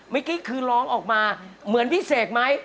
เมื่อกี้คือร้องออกมาเหมือนพี่เสกไหม